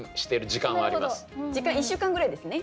時間１週間ぐらいですね？